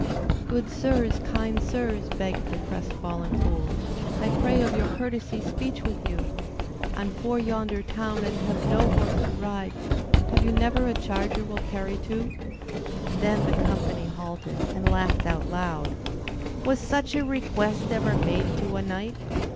"Good Sirs, Kind Sirs," begged the crestfallen fool, "I pray of your courtesy speech with you, I'm for yonder town, and have no horse to ride, Have you never a charger will carry two?" Then the company halted and laughed out loud. "Was such a request ever made to a knight?"